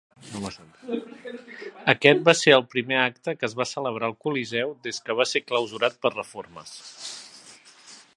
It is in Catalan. Aquest va ser el primer acte que es va celebrar al coliseu des que va ser clausurat per reformes.